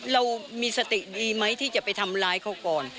เรามีสติดีไหมที่จะไปทำร้ายเขาก่อน